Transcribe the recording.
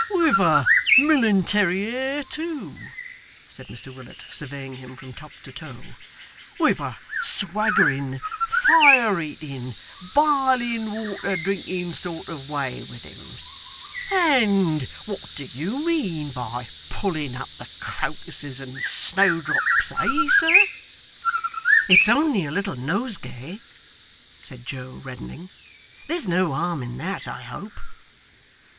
'With a milintary air, too!' said Mr Willet, surveying him from top to toe; 'with a swaggering, fire eating, biling water drinking sort of way with him! And what do you mean by pulling up the crocuses and snowdrops, eh sir?' 'It's only a little nosegay,' said Joe, reddening. 'There's no harm in that, I hope?